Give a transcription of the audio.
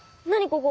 ここ。